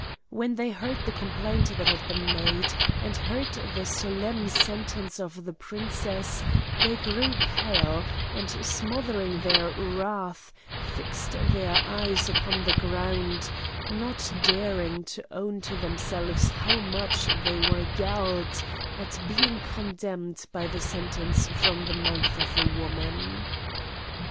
When they heard the complaint that had been made, and heard the solemn sentence of the princess, they grew pale, and smothering their wrath fixed their eyes upon the ground, not daring to own to themselves how much they were galled at being condemned by the sentence from the mouth of a woman.